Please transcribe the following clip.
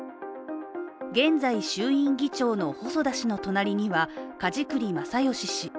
現在、衆院議長の細田氏の隣には梶栗正義氏。